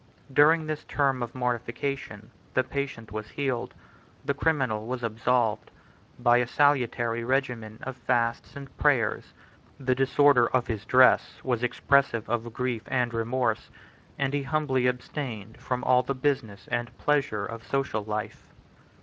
During this term of mortification, the patient was healed, the criminal was absolved, by a salutary regimen of fasts and prayers: the disorder of his dress was expressive of grief and remorse; and he humbly abstained from all the business and pleasure of social life.